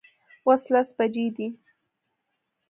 اوس لس بجې دي